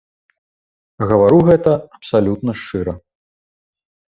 Гавару гэта абсалютна шчыра.